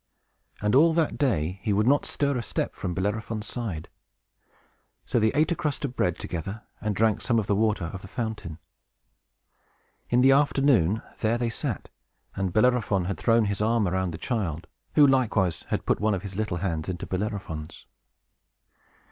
And all that day he would not stir a step from Bellerophon's side; so they ate a crust of bread together, and drank some of the water of the fountain. In the afternoon, there they sat, and Bellerophon had thrown his arm around the child, who likewise had put one of his little hands into Bellerophon's.